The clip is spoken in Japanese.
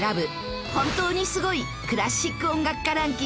本当にスゴいクラシック音楽家ランキング